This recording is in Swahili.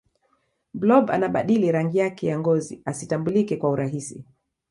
blob anabadili rangi yake ya ngozi asitambulika kwa urahisi